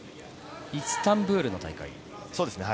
イスタンブールの大会。